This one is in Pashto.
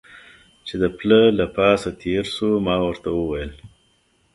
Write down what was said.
چې د پله له پاسه تېر شو، ما ورته وویل.